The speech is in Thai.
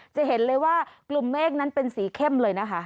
จะเห็นเลยว่ากลุ่มเมฆนั้นเป็นสีเข้มเลยนะคะ